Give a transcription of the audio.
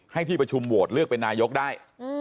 ที่ประชุมโหวตเลือกเป็นนายกได้